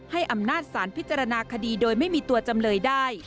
ให้อำนาจสารพิจารณาคดีโดยไม่มีตัวจำเลยได้